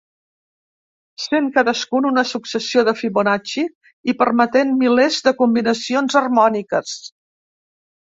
Sent cadascun una successió de Fibonacci i permetent milers de combinacions harmòniques.